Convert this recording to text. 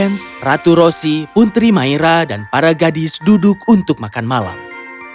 raja fenn ratu rosie puntri myra dan para gadis duduk untuk makan malam bersama kami